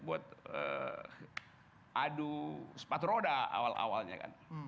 buat adu sepatu roda awal awalnya kan